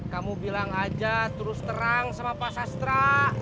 kamu bilang aja terus terang sama pak sastra